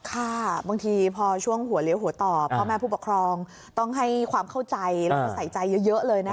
ค่ะบางทีพอช่วงหัวเลี้ยวหัวต่อพ่อแม่ผู้ปกครองต้องให้ความเข้าใจแล้วก็ใส่ใจเยอะเลยนะคะ